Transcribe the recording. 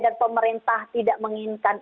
dan pemerintah tidak menginginkan